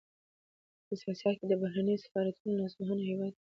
په سیاست کې د بهرنیو سفارتونو لاسوهنه د هېواد ملي حاکمیت ته سپکاوی دی.